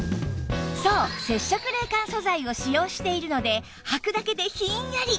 そう接触冷感素材を使用しているのではくだけでひんやり